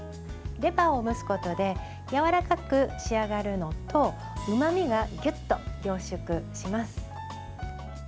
レバーを蒸すことでやわらかく仕上がるのとうまみが、ぎゅっと凝縮します。